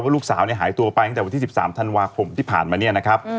ลูกสาวหายตัวไปตั้งแต่วันที่๑๓ธันวาคมที่ผ่านมาเนี่ยนะครับ